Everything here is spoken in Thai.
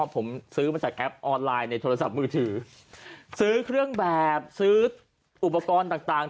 ผมซื้อมาจากแอปออนไลน์ในโทรศัพท์มือถือซื้อเครื่องแบบซื้ออุปกรณ์ต่าง